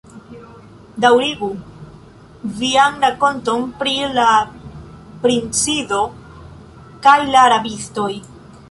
Daŭrigu vian rakonton pri la princido kaj la rabistoj.